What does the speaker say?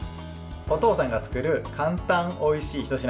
お父さんが作る簡単おいしいひと品。